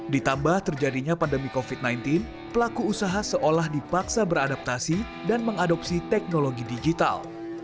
ditambah terjadinya pandemi covid sembilan belas pelaku usaha seolah dipaksa beradaptasi dan mengadopsi teknologi digital